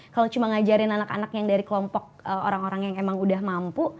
kalau cuma ngajarin anak anak yang dari kelompok orang orang yang emang udah mampu